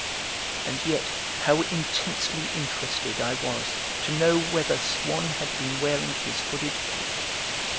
And yet how intensely interested I was to know whether Swann had been wearing his hooded cape!